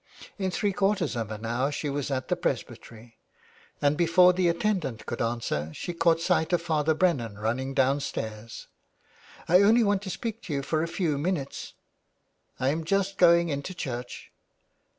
In three quarters of an hour she was at the presbytery, and before the attendant could answer she caught sight of Father Brennan running down stairs. " I only want to speak to you for a few minutes.'' " I am just going into church."